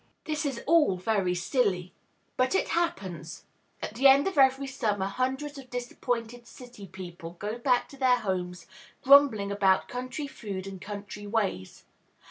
This is all very silly. But it happens. At the end of every summer hundreds of disappointed city people go back to their homes grumbling about country food and country ways.